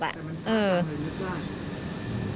แต่มันคืออะไรนึกได้